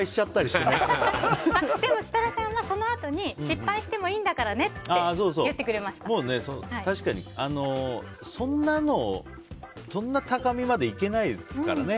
でも設楽さんはそのあとに失敗してもいいんだからねって確かに、そんな高みまでいけないですからね。